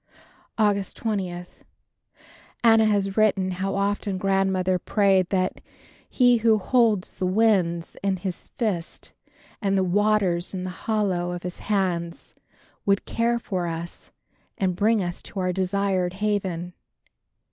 August 20. Anna has written how often Grandmother prayed that "He who holds the winds in his fists and the waters in the hollow of his hands, would care for us and bring us to our desired haven."